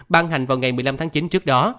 ban hành vào ngày một mươi năm tháng chín trước đó